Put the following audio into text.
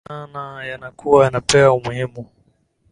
yana yanakua yanapewa umuhimu